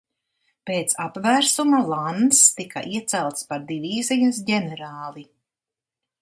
Pēc apvērsuma Lanns tika iecelts par divīzijas ģenerāli.